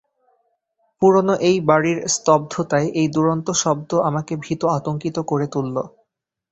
পুরনো এই বাড়ির স্তব্ধতায় এই দুরন্ত শব্দ আমাকে ভীত আতঙ্কিত করে তুলল।